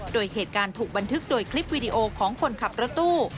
โดยเหตุการณ์ถูกบันทึกโดยคลิปวิดีโอของคนขับรถตู้